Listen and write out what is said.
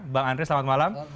bang andre selamat malam